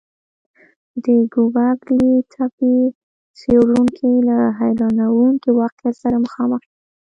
د ګوبک لي تپې څېړونکي له حیرانوونکي واقعیت سره مخامخ شول.